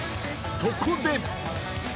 ［そこで］